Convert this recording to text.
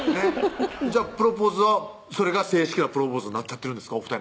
じゃあプロポーズはそれが正式なプロポーズになっちゃってるんですか？